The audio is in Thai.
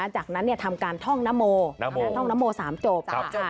จากนั้นทำการท่องนโมท่องนโม๓จบ